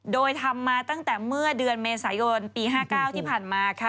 โดยทำมาตั้งแต่เมื่อเดือนเมษายนปี๕๙ที่ผ่านมาค่ะ